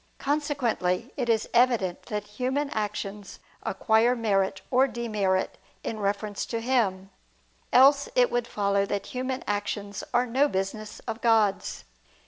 Consequently it is evident that human actions acquire merit or demerit in reference to Him: else it would follow that human actions are no business of God's.